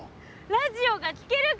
ラジオが聞けるかも！